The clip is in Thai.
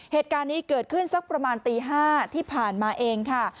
เหตุการณ์นี้เกิดขึ้นสักประมาณตี๕ที่ผ่านมาเองค่ะ